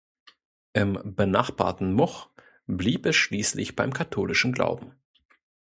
Im benachbarten Much blieb es schließlich beim katholischen Glauben.